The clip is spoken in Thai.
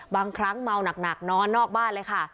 บางครั้งเมาหนักนอนนอกบ้านเลยค่ะ